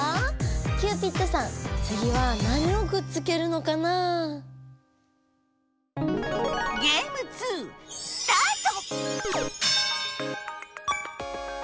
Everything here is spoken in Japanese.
キューピッドさんつぎは何をくっつけるのかな？スタート！